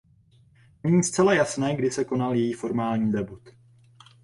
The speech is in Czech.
Není zcela jasné kdy se konal její formální debut.